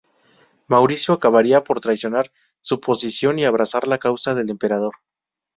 Maurício acabaría por traicionar su posición y abrazar la causa del emperador.